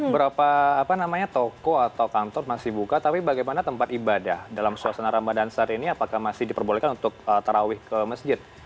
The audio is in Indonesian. berapa toko atau kantor masih buka tapi bagaimana tempat ibadah dalam suasana ramadan saat ini apakah masih diperbolehkan untuk tarawih ke masjid